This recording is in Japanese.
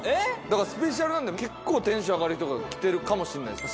だからスペシャルなんで結構テンション上がる人が来てるかもしれないです。